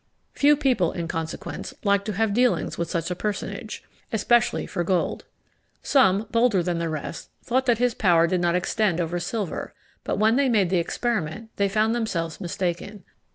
Few people, in consequence, liked to have dealings with such a personage, especially for gold. Some, bolder than the rest, thought that his power did not extend over silver; but, when they made the experiment, they found themselves mistaken.